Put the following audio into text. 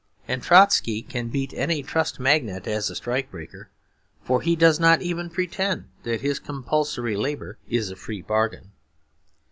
And Trotsky can beat any Trust magnate as a strike breaker; for he does not even pretend that his compulsory labour is a free bargain.